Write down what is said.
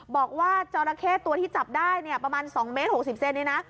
บอกว่าเจ้านาเทศตัวที่จับได้ประมาณ๒เมตร๖๐เซนต์นี่นะ